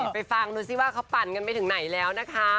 ไปฟังดูซิว่าเขาปั่นกันไปถึงไหนแล้วนะคะ